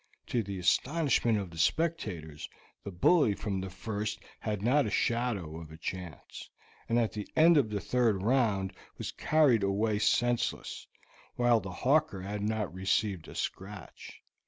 To the astonishment of the spectators, the bully from the first had not a shadow of a chance, and at the end of the third round was carried away senseless, while the hawker had not received a scratch.